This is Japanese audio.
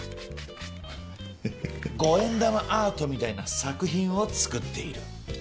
５円玉アートみたいな作品を作っている。